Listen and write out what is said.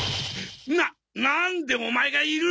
ななんでオマエがいる！？